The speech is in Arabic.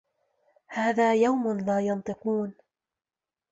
هذا يَومُ لا يَنطِقونَ